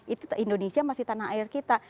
itu indonesia masih tanah air kita